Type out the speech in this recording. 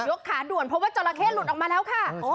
ขาด่วนเพราะว่าจราเข้หลุดออกมาแล้วค่ะ